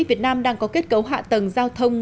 việt nam đang có kết cấu hạ tầng giao thông